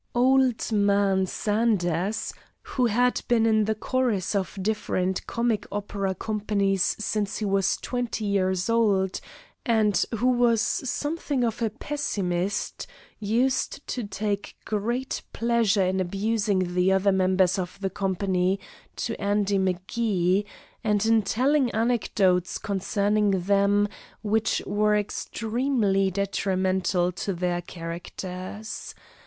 Old man Sanders, who had been in the chorus of different comic opera companies since he was twenty years old, and who was something of a pessimist, used to take great pleasure in abusing the other members of the company to Andy M'Gee, and in telling anecdotes concerning them which were extremely detrimental to their characters.